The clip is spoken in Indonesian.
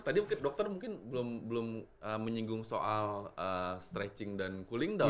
tadi mungkin dokter mungkin belum menyinggung soal stretching dan cooling down